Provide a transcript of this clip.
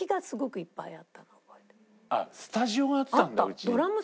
あっスタジオやってたんだうち。